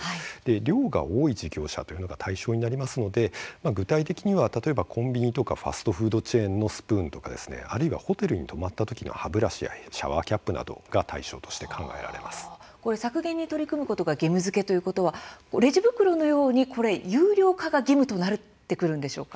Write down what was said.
量が多い事業者が対象になりますので具体的にはコンビニファストフードチェーン店のスプーンあるいはホテルに泊まったときの歯ブラシ、シャワーキャップなどがレジ袋のように有料化が義務となってくるんでしょうか。